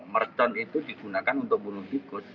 mercon itu digunakan untuk gunung tikus